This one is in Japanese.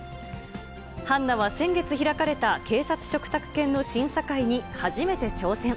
ハンナは先月開かれた警察嘱託犬の審査会に初めて挑戦。